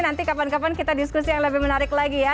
semoga kita diskusi yang lebih menarik lagi ya